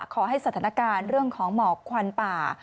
ขอให้สถานการณ์เรื่องของหมอกควันป่า